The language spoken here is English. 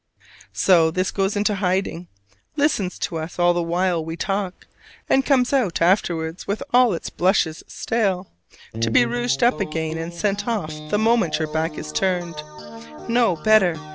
So this goes into hiding: listens to us all the while we talk; and comes out afterwards with all its blushes stale, to be rouged up again and sent off the moment your back is turned. No, better!